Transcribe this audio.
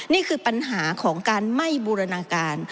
นี่คือปัญหาของการไม่บูรณาการ